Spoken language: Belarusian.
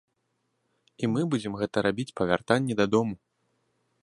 І мы будзем гэта рабіць па вяртанні дадому.